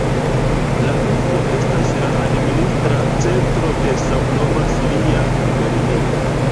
La urbo estas la administra centro de samnoma siria gubernio.